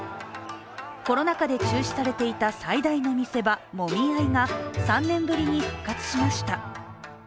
コロナ禍で中止されていた最大の見せ場、もみ合いが３年ぶりに復活しました。